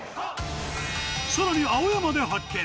さらに青山で発見。